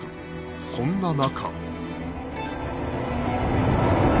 そんな中